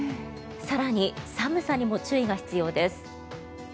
更に寒さにも注意が必要です。